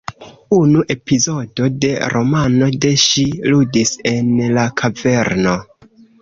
Unu epizodo de romano de ŝi ludis en la kaverno.